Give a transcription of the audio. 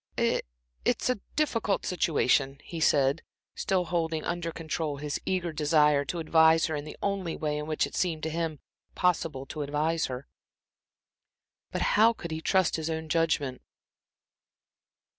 "I it's a difficult situation," he said, still holding under control his eager desire to advise her in the only way in which it seemed to him possible to advise her. But how could he trust his own judgment?